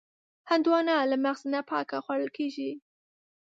هندوانه له مغز نه پاکه خوړل کېږي.